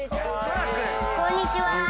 こんにちは！